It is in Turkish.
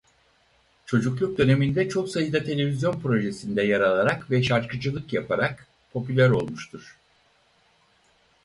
Çocukluk döneminde çok sayıda televizyon projesinde yer alarak ve şarkıcılık yaparak popüler olmuştur.